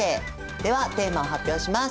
ではテーマを発表します。